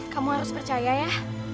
kamu harus percaya ya